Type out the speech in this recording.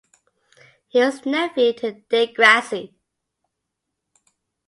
He was nephew to De Grasse.